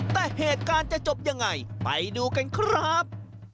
แต่เหตุการณ์จะจบยังไงไปดูกันครับ